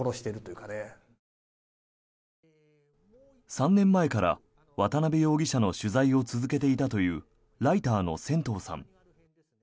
３年前から渡邊容疑者の取材を続けていたというライターの仙頭さん。